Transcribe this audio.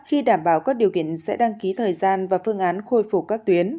khi đảm bảo các điều kiện sẽ đăng ký thời gian và phương án khôi phục các tuyến